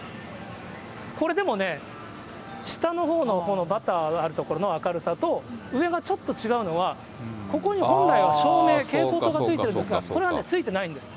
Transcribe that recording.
これ、でもね、下のほうのこのバターがある所の明るさと、上がちょっと違うのは、ここに本来は照明、蛍光灯がついてるんですが、これがね、ついてないんです。